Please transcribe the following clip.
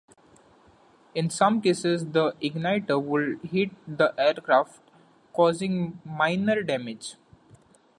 In some cases the igniter would hit the aircraft, causing minor damage.